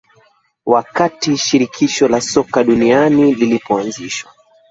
wakati Shirikisho la Soka Duniani lilipoanzishwa